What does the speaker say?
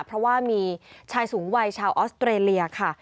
เพราะว่ามีชายสูงวัยชาวออสเตรเลียค่ะ